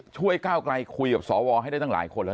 ก้าวไกลคุยกับสวให้ได้ตั้งหลายคนแล้ว